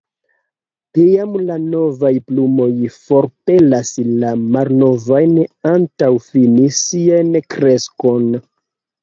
Tiam la novaj plumoj forpelas la malnovajn antaŭ fini sian kreskon.